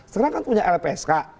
sekarang kan punya lpsk